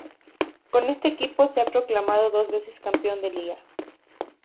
Con este equipo se ha proclamado dos veces campeón de Liga.